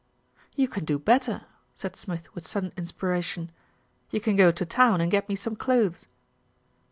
"You can do better," said Smith with sudden in spiration. "You can go to town and get me some clothes."